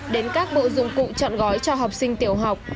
đến các bộ dụng cụ chọn gói cho học sinh tiểu học